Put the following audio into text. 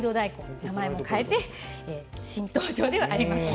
名前も変えて新登場ではあります。